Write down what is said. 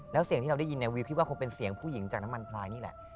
แล้วเสียงที่เราได้ยินเนี่ยวิวคิดว่าคงเป็นเสียงผู้หญิงจากน้ำมันพลายนี่แหละ